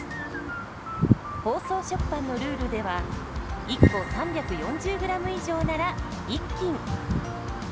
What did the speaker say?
包装食パンのルールでは１個３４０ｇ以上なら１斤。